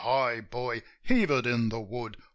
Hi, boy ! Heave it in the wood!